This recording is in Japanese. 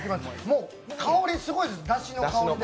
もう香りすごいですだしの香りが。